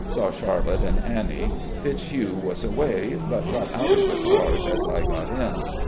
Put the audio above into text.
Saw Charlotte and Annie. Fitzhugh was away, but got out of the cars as I got in.